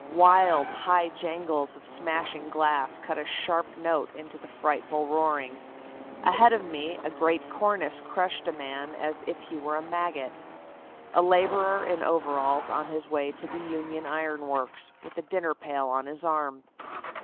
Wild, high jangles of smashing glass cut a sharp note into the frightful roaring. Ahead of me a great cornice crushed a man as if he were a maggot a laborer in overalls on his way to the Union Iron Works, with a dinner pail on his arm.